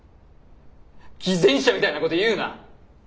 偽善者みたいなこと言うな。